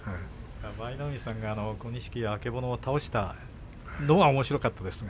舞の海さんが小錦、曙を倒したのもおもしろかったですが。